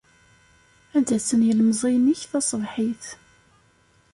Ad d-asen yelemẓiyen-ik taṣebḥit.